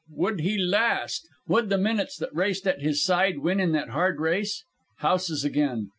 Would he last? Would the minutes that raced at his side win in that hard race? Houses again.